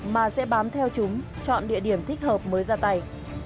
mà sẽ bám theo chúng chọn địa điểm thích hợp mới ra tay